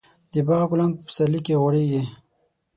د باغ ګلان په پسرلي کې غوړېږي.